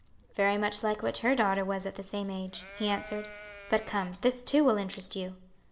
"Very much like what her daughter was at the same age," he answered. "But come, this, too, will interest you."